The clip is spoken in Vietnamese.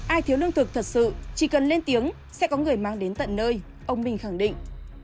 ai thiếu lương thực thật sự chỉ cần lên tiếng sẽ có người mang đến tận nơi ông minh khẳng định